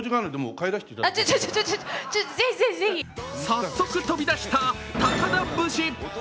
早速、飛び出した高田節。